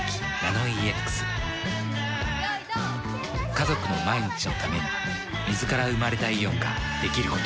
家族の毎日のために水から生まれたイオンができること。